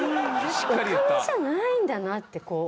お金じゃないんだなってこう。